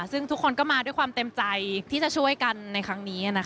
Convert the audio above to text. ซึ่งทุกคนก็มาด้วยความเต็มใจที่จะช่วยกันในครั้งนี้